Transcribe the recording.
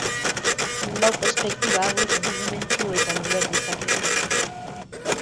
Lau perspektiba hauek bi dimentsioetan uler ditzakegu.